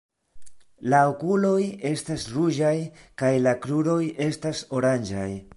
La okuloj estas ruĝaj kaj la kruroj estas oranĝaj.